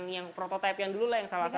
yang prototype yang dulu lah yang salah salah